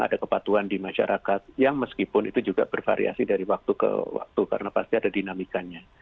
ada kepatuan di masyarakat yang meskipun itu juga bervariasi dari waktu ke waktu karena pasti ada dinamikanya